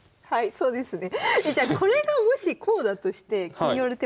そうですね。